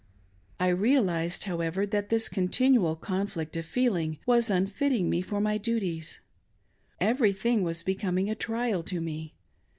1 realised, however, that this continual conflict of feeling was unfitting EFFECTS OF POLYGAMY. 461 me for my duties. Everything was becoming a trial to me.